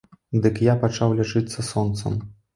Дык я пачаў лячыцца сонцам.